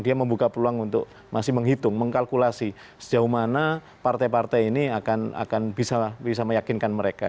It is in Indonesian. dia membuka peluang untuk masih menghitung mengkalkulasi sejauh mana partai partai ini akan bisa meyakinkan mereka